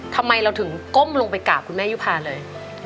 ทำไมเราถึงก้มลงไปกราบคุณแม่ยุภาเลย